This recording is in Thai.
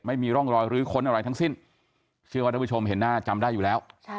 ไม่มีร่องรอยลื้อค้นอะไรทั้งสิ้นเชื่อว่าท่านผู้ชมเห็นหน้าจำได้อยู่แล้ว